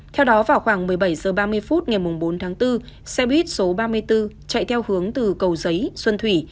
theo đó vào khoảng một mươi bảy h ba mươi phút ngày bốn tháng bốn xe buýt số ba mươi bốn chạy theo hướng từ cầu giấy xuân thủy